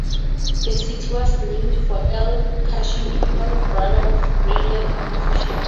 The city was named for L. Cushing Kimball, brother of a railroad official.